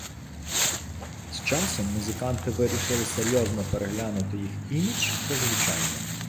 З часом музиканти вирішили серйозно переглянути їх імідж та звучання.